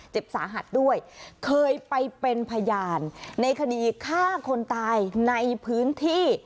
เจ็บสาหัสด้วยเคยไปเป็นพยานในคดีฆ่าคนตายในพื้นที่